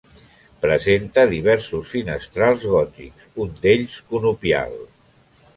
Presenta diversos finestrals gòtics, un d'ells conopial.